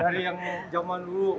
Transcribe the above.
dari yang zaman dulu